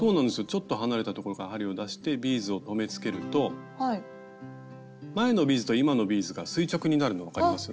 ちょっと離れたところから針を出してビーズを留めつけると前のビーズと今のビーズが垂直になるの分かります？